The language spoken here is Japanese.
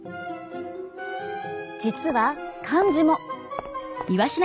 実は漢字も。